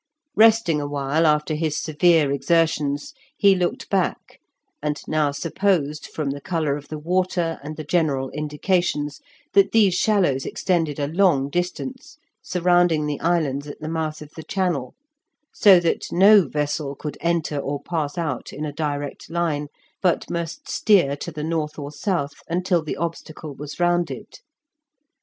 Resting awhile after his severe exertions, he looked back, and now supposed, from the colour of the water and the general indications, that these shallows extended a long distance, surrounding the islands at the mouth of the channel, so that no vessel could enter or pass out in a direct line, but must steer to the north or south until the obstacle was rounded.